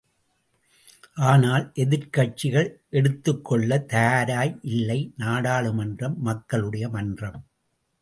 ஆனால், எதிக்கட்சிகள் எடுத்துக்கொள்ள தயாராய் இல்லை நாடாளுமன்றம் மக்களுடைய மன்றம்.